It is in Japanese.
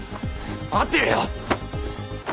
待てよ！